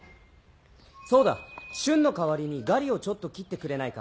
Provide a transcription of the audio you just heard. そうだ俊の代わりにガリをちょっと切ってくれないか？